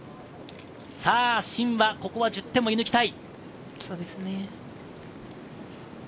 さぁシンは、ここは１０点を射抜きたい。